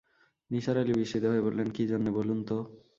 নিসার আলি বিস্মিত হয়ে বললেন, কী জন্যে বলুন তো?